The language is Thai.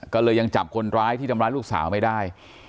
ก็เลยยังจับคนร้ายที่ทำร้ายลูกสาวไม่ได้